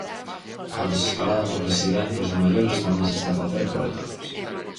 A desescalada nas residencias de maiores tamén se está a facer por etapas.